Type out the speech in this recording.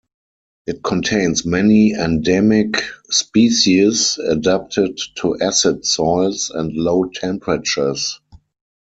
It contains many endemic species adapted to acid soils and low temperatures.